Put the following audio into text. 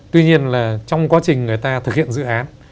tuy nhiên là trong quá trình người ta thực hiện dự án